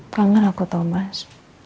pangan aku tau mas